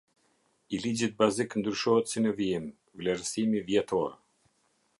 I ligjit bazik ndryshohet si në vijim: Vlerësimi vjetor.